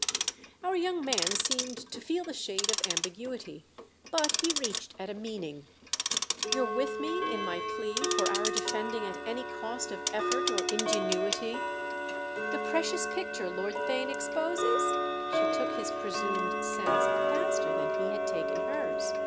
Our young man seemed to feel the shade of ambiguity, but he reached at a meaning. "You're with me in my plea for our defending at any cost of effort or ingenuity—" "The precious picture Lord Theign exposes?"—she took his presumed sense faster than he had taken hers.